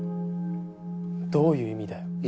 どういう意味だよ？